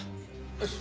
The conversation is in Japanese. よし。